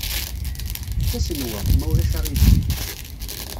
Efk-asen wa, ma ulac aɣilif.